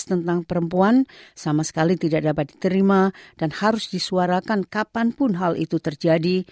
tentang perempuan sama sekali tidak dapat diterima dan harus disuarakan kapanpun hal itu terjadi